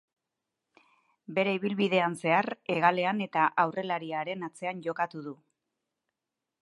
Bere ibilbidean zehar hegalean eta aurrelariaren atzean jokatu du.